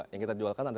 yang kita jualkan